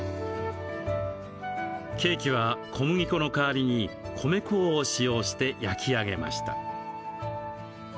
ケーキは小麦粉の代わりに米粉を使用して焼き上げました。